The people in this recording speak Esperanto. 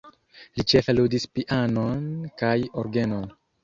Li ĉefe ludis pianon kaj orgenon.